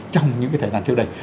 trong những cái thời gian trước đây